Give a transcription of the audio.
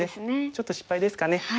ちょっと失敗ですかね。